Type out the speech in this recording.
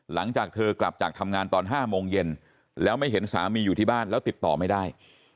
หลังจากเธอกลับจากทำงานตอน๕โมงเย็นแล้วไม่เห็นสามีอยู่ที่บ้านแล้วติดต่อไม่ได้